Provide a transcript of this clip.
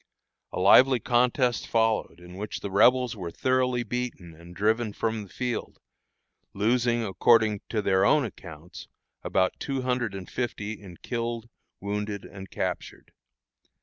A lively contest followed, in which the Rebels were thoroughly beaten and driven from the field, losing, according to their own accounts, about two hundred and fifty in killed, wounded, and captured.